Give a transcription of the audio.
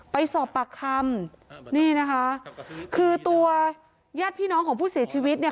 ไปสอบปากคำนี่นะคะคือตัวญาติพี่น้องของผู้เสียชีวิตเนี่ย